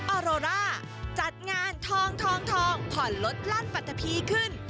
ออโรร่าจัดงานทองทองผ่อนลดลาดปัตตะพีขึ้น